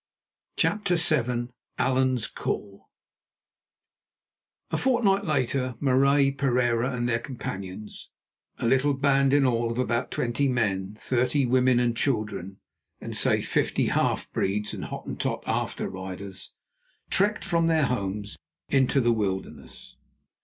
CHAPTER VII. ALLAN'S CALL A fortnight later Marais, Pereira and their companions, a little band in all of about twenty men, thirty women and children, and say fifty half breeds and Hottentot after riders, trekked from their homes into the wilderness.